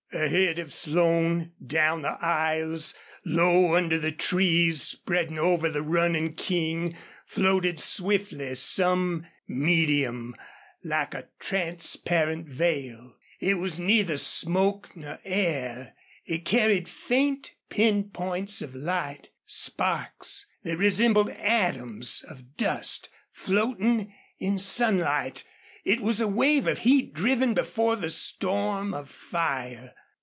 Ahead of Slone, down the aisles, low under the trees spreading over the running King, floated swiftly some medium, like a transparent veil. It was neither smoke nor air. It carried faint pin points of light, sparks, that resembled atoms of dust floating in sunlight. It was a wave of heat driven before the storm of fire.